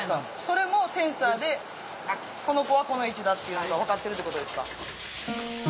それもセンサーでこの子はこの位置だっていうのが分かってるってことですか？